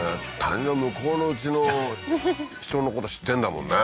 谷の向こうのうちの人のこと知ってんだもんね